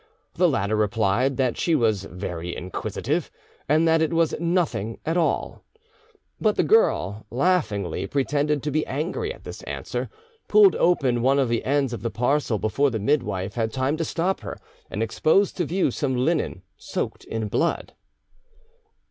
The latter replied that she was very inquisitive, and that it was nothing at all; but the girl, laughingly pretending to be angry at this answer, pulled open one of the ends of the parcel before the midwife had time to stop her, and exposed to view some linen soaked in blood.